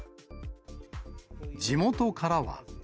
地元からは。